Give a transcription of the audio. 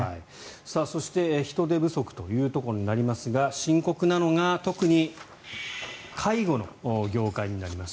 そして人手不足というところになりますが深刻なのが特に介護の業界になります。